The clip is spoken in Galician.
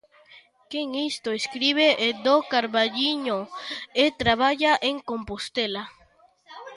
Quen isto escribe é do Carballiño e traballa en Compostela.